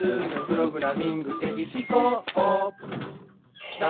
プログラミング的思考」